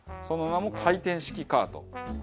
その名も回転式カート。